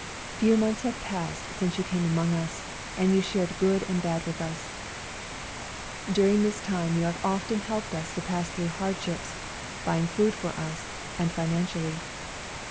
" Few months have passed since you came among us, and you shared good and bad with us. During this time you have often helped us to pass through hard WE GO TO CORFU 227 ships, buying food for us, and finan cially.